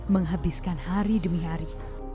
menghabiskan hari demi hari